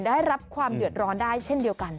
ได้รับความเดือดร้อนได้เช่นเดียวกัน